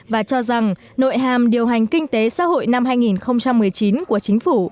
và cho rằng nội hàm điều hành kinh tế xã hội năm hai nghìn một mươi chín của chính phủ